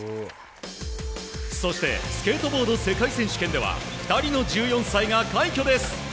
そしてスケートボード世界選手権では２人の１４歳が快挙です。